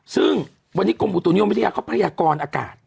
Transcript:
ซึ่งวันนี้กรมอุตุนิยมวิทยาเขาพยากรอากาศ